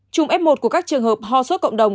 chùm f một của các trường hợp ho sốt cộng đồng